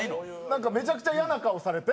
なんかめちゃくちゃイヤな顔されて。